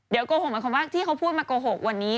เดี๋ยวโกหกหมายความว่าที่เขาพูดมาโกหกวันนี้